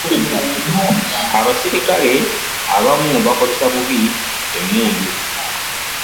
abaserikale abamu bakozesa bubi emmundu.